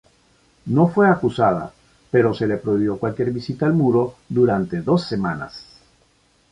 No fue acusada, pero se le prohibió cualquier visita al Muro durante dos semanas.